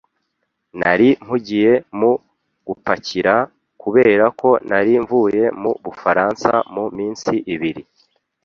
Nari mpugiye mu gupakira, kubera ko nari mvuye mu Bufaransa mu minsi ibiri.